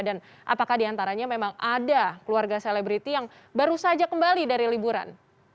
dan apakah diantaranya memang ada keluarga selebriti yang baru saja kembali dari liburan